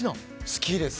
好きです。